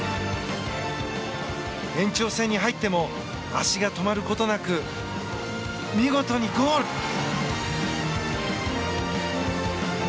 延長戦に入っても足が止まることなく見事にゴール！